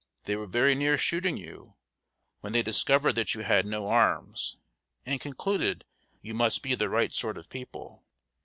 They were very near shooting you, when they discovered that you had no arms, and concluded you must be the right sort of people.